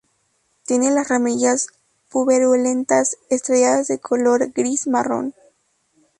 Tiene las ramillas puberulentas estrelladas de color gris-marrón.